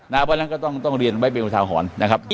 เพราะฉะนั้นก็ต้องเรียนไว้เป็นบริษัทหอนนะครับ